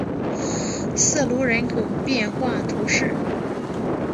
瑟卢人口变化图示